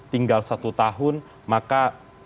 tinggal satu tahun maka